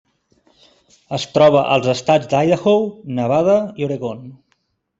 Es troba als estats d'Idaho, Nevada i Oregon.